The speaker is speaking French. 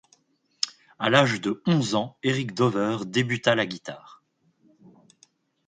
À l'âge de onze ans, Eric Dover débuta la guitare.